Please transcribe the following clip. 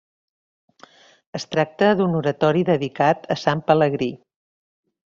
Es tracta d’un Oratori dedicat a Sant Pelegrí.